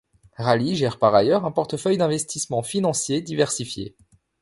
Rallye gère par ailleurs un portefeuille d’investissements financiers diversifiés.